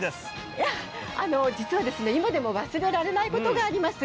いや、実は今でも忘れられないことがあります。